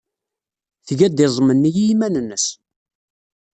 Tga-d iẓem-nni i yiman-nnes.